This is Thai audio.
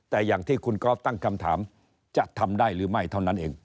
แต่อย่างที่คุณก๊อฟตั้งคำถามจะทำได้หรือไม่เท่านั้นเอง